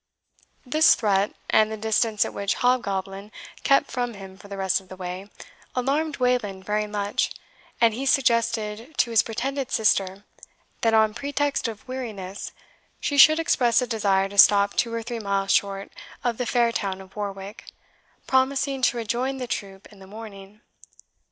This threat, and the distance at which Hobgoblin kept from him for the rest of the way, alarmed Wayland very much, and he suggested to his pretended sister that, on pretext of weariness, she should express a desire to stop two or three miles short of the fair town of Warwick, promising to rejoin the troop in the morning.